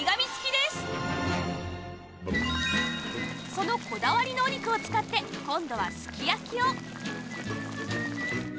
そのこだわりのお肉を使って今度はすき焼きを